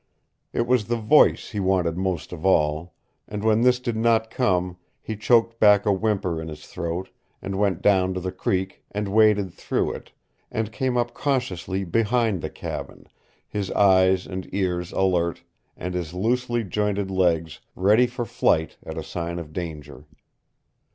It was the voice he wanted most of all, and when this did not come he choked back a whimper in his throat, and went down to the creek, and waded through it, and came up cautiously behind the cabin, his eyes and ears alert and his loosely jointed legs ready for flight at a sign of danger.